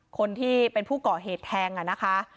คนที่เป็นผู้ก่อเหตุแทงนะคะ